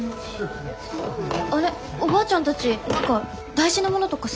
あれおばあちゃんたち何か大事なものとかさ